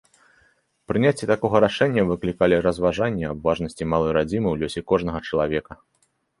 Прыняцце такога рашэння выклікалі разважанні аб важнасці малой радзімы ў лёсе кожнага чалавека.